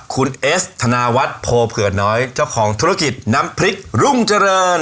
คุณเอสธนาวัฒน์โพเผือน้อยเจ้าของธุรกิจน้ำพริกรุ่งเจริญ